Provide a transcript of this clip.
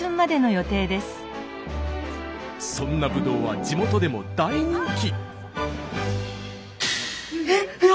そんなぶどうは地元でも大人気。